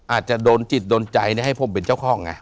อาจจะโดนจิตโดนใจให้ผมเป็นเจ้าของไง